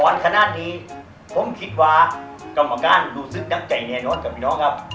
ขนาดนี้ผมคิดว่ากรรมการรู้สึกน้ำใจแน่นอนกับพี่น้องครับ